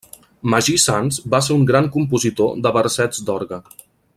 Magí Sans va ser un gran compositor de versets d'orgue.